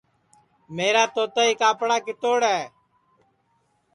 میرا توتائی کاپڑا کِتوڑ ہے